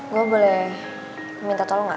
gue boleh minta tolong gak